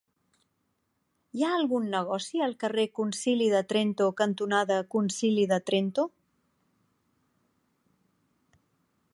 Hi ha algun negoci al carrer Concili de Trento cantonada Concili de Trento?